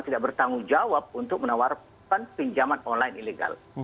tidak bertanggung jawab untuk menawarkan pinjaman online ilegal